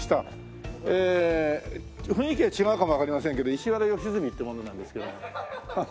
えー雰囲気は違うかもわかりませんけど石原良純って者なんですけど。